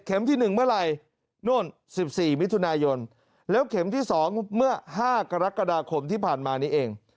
ที่๑เมื่อไหร่นู่น๑๔มิถุนายนแล้วเข็มที่๒เมื่อ๕กรกฎาคมที่ผ่านมานี้เอง